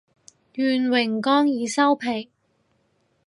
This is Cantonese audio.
願榮光已收皮